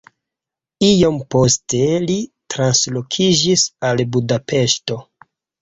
Iom poste li translokiĝis al Budapeŝto.